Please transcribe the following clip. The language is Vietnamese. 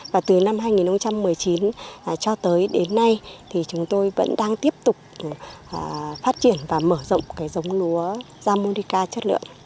và từ năm hai nghìn một mươi chín cho tới đến nay thì chúng tôi vẫn đang tiếp tục phát triển và mở rộng cái giống lúa japonica chất lượng